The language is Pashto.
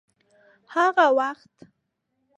هغه وخت